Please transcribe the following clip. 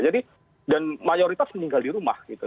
dan mayoritas meninggal di rumah gitu